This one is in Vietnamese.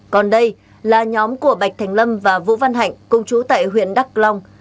còn đây là nhóm của bạch thành lâm và vũ văn hạnh công chú tại huyện đắk long